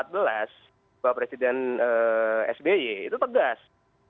pak presiden sby itu tegas